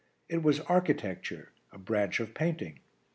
It was architecture a branch of painting.